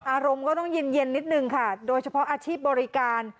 อารมณ์ก็ต้องเย็นเย็นนิดนึงค่ะโดยเฉพาะอาชีพบริการ